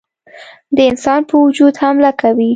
د انسان په وجود حمله کوي.